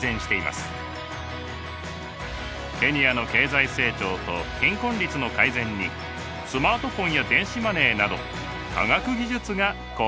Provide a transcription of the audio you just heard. ケニアの経済成長と貧困率の改善にスマートフォンや電子マネーなど科学技術が貢献しているのです。